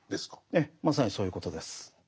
ええまさにそういうことです。